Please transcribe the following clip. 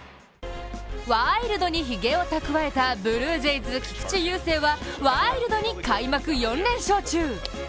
ワイルドにひげを蓄えたブルージェイズ菊池雄星はワイルドに開幕４連勝中。